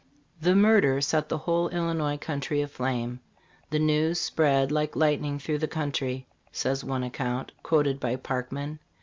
The murder set the whole Illinois country aflame. "The news spread like lightning through the country," says one account, quoted by Parkman.